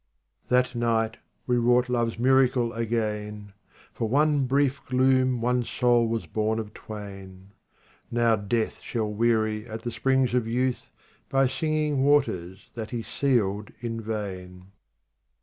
'* 68 That night we wrought love's miracJe again : For one brief gloom one soul was born of twain. Now death shall weary at the springs of youth By singing waters that he sealed in vain.